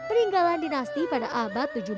peninggalan dinasti pada abad tujuh belas